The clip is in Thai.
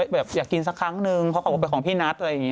แบบอยากกินสักครั้งหนึ่งเขากลับออกไปของพี่นัทอะไรอย่างนี้